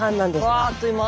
うわあっという間。